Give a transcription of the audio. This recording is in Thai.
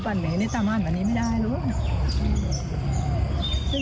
ตอนนี้ตามร้าลนี้ไม่ได้ลึขึ้น